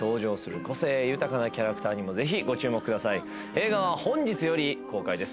映画は本日より公開です。